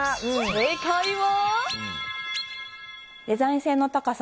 正解は。